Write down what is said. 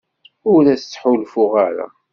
Ur as-ttḥulfuɣ ara.